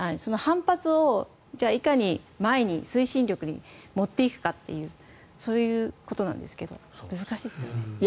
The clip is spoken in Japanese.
反発をいかに前の推進力に持っていくかというそういうことなんですが難しいですよね。